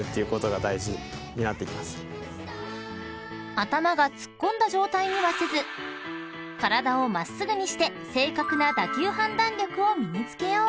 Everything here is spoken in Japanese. ［頭が突っ込んだ状態にはせず体を真っすぐにして正確な打球判断力を身に付けよう］